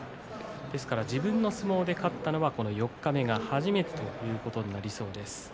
ですから自分の相撲で勝ったのはこの四日目が初めてということになります。